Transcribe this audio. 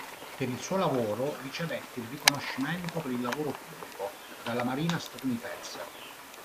Per il suo lavoro ricevette il "Riconoscimento per il lavoro pubblico" dalla marina statunitense.